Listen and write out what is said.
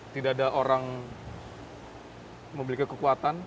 tidak ada orang memiliki kekuatan